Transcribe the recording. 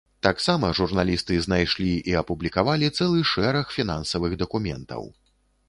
Таксама журналісты знайшлі і апублікавалі цэлы шэраг фінансавых дакументаў.